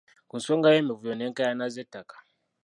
Ku nsonga y'emivuyo n'enkayana z'ettaka.